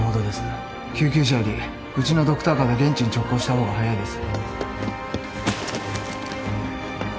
救急車よりうちのドクターカーで現地に直行した方が早いです。